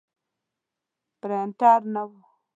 پرنټر نه و.